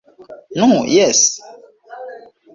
Nu, jes.